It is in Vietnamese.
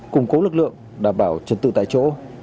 củng cố lực lượng đảm bảo trật tự tại chỗ